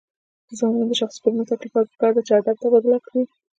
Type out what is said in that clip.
د ځوانانو د شخصي پرمختګ لپاره پکار ده چې ادب تبادله کړي.